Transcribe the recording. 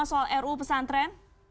yang pertama soal ruu pesantren